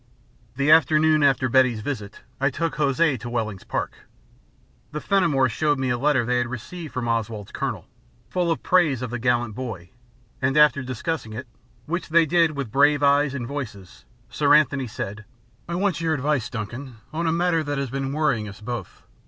The afternoon after Betty's visit, I took Hosea to Wellings Park. The Fenimores shewed me a letter they had received from Oswald's Colonel, full of praise of the gallant boy, and after discussing it, which they did with brave eyes and voices, Sir Anthony said: "I want your advice, Duncan, on a matter that has been worrying us both.